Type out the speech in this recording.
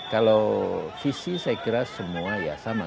kalau visi saya kira semua ya sama